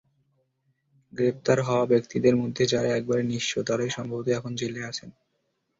গ্রেপ্তার হওয়া ব্যক্তিদের মধ্যে যাঁরা একেবারে নিঃস্ব, তাঁরাই সম্ভবত এখন জেলে আছেন।